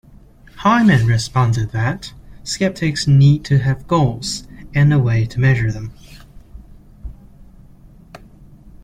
Hyman responded that skeptics need to have goals and a way to measure them.